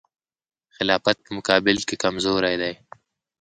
خلافت په مقابل کې کمزوری دی.